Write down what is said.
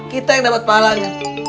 kita yang dapat pahalanya